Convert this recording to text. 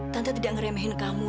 tante tidak ngeremehin kamu